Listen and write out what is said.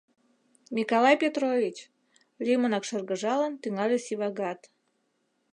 — Микалай Петрович, — лӱмынак шыргыжалын, тӱҥале Сивагат.